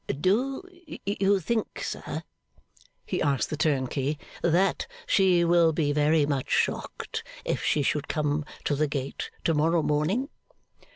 'Do you think, sir,' he asked the turnkey, 'that she will be very much shocked, if she should come to the gate to morrow morning?